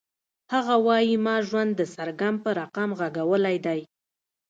هغه وایی ما ژوند د سرګم په رقم غږولی دی